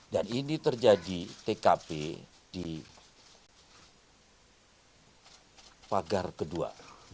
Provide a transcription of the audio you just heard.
dan ini terjadi tkp di pagar kedua